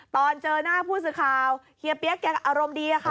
ตอนเจอหน้าผู้สื่อข่าวเฮียเปี๊ยกอารมณ์ดีครับ